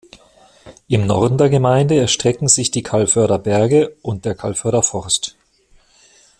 Im Norden der Gemeinde erstrecken sich die Calvörder Berge und der Calvörder Forst.